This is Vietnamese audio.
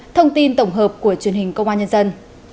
thông tin tổng hợp của truyền hình công an nhân dân